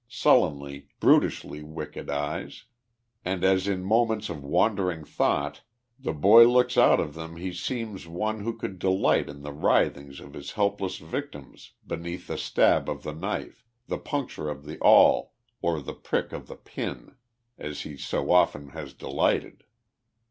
sullenly, brutish!} 7 wicked eyes, and as in moments of wandering thought the boy looks out of them he seems one, who could delight in the writhings of his helpless victims beneath the stab of the knife, the puncture of the awl, or the prick of the pin, as he so often has delighted.